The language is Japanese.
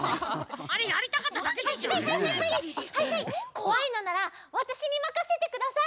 こわいのならわたしにまかせてください！